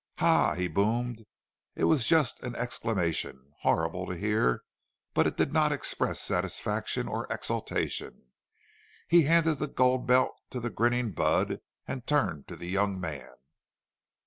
"Hah!" he boomed. It was just an exclamation, horrible to hear, but it did not express satisfaction or exultation. He handed the gold belt to the grinning Budd, and turned to the young man.